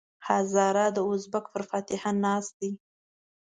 هزاره د ازبک پر فاتحه ناست دی.